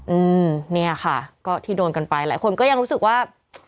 อืมเนี่ยค่ะก็ที่โดนกันไปหลายคนก็ยังรู้สึกว่า